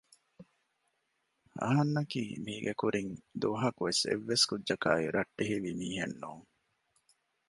އަހަންނަކީ މީގެ ކުރިން ދުވަހަކުވެސް އެއްވެސް ކުއްޖަކާއި ރައްޓެހިވި މީހެއް ނޫން